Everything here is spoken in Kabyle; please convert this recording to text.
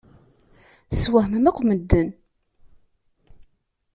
Teswehmem akk medden.